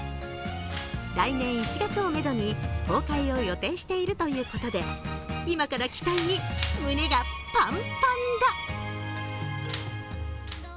来年１月をめどに公開を予定しているということで、今から期待に胸がパンパンだ！